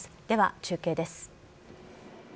では、中継です。